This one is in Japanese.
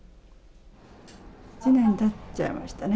１年たっちゃいましたね。